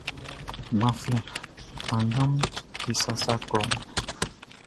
Gbanflɛn kannganʼm be sasa klɔʼn.